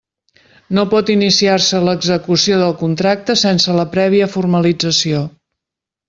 No pot iniciar-se l'execució del contracte sense la prèvia formalització.